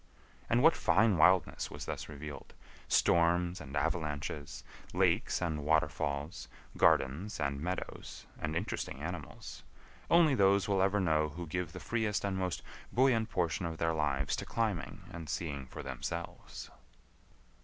And what fine wildness was thus revealed—storms and avalanches, lakes and waterfalls, gardens and meadows, and interesting animals—only those will ever know who give the freest and most buoyant portion of their lives to climbing and seeing for themselves.